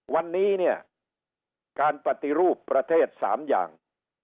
วันนี้เนี่ยการปฏิรูปประเทศ๓อย่าง